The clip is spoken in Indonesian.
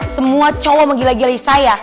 semua cowok menggila gili saya